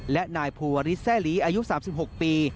และนายภูวริสแซ่ลีอายุ๓๖ปี